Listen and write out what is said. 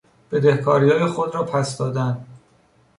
بدهکاریهای خود را پس دادن